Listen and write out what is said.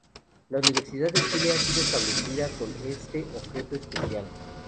La Universidad de Chile ha sido establecida con este objeto especial"".